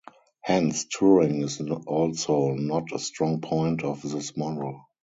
Hence, touring is also not a strong point of this model.